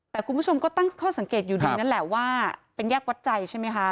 แต่คุณผู้ชมก็ตั้งข้อสังเกตอยู่ดีนั่นแหละว่าเป็นแยกวัดใจใช่ไหมคะ